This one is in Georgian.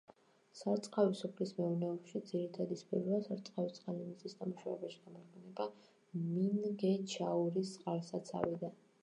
სარწყავი სოფლის მეურნეობაში ძირითადი სფეროა, სარწყავი წყალი მიწის დამუშავებაში გამოიყენება მინგეჩაურის წყალსაცავიდან.